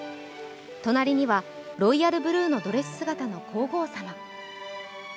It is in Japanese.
隣にはロイヤルブルーのドレス姿の皇后さま。